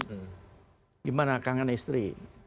bagaimana kangen istri